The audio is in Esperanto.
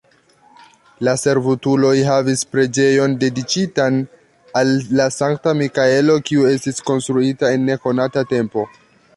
La servutuloj havis preĝejon dediĉitan al Sankta Mikaelo, kiu estis konstruita en nekonata tempo.